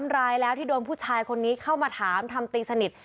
รายแล้วที่โดนผู้ชายคนนี้เข้ามาถามทำตีสนิท